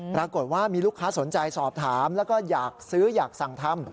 ปรากฏว่ามีลูกค้าสนใจสอบถามแล้วก็อยากซื้ออยากสั่งทำ